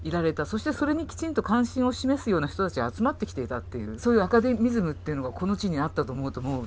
そしてそれにきちんと関心を示すような人たちが集まってきていたっていうそういうアカデミズムっていうのがこの地にあったと思うともうゾクゾクもう。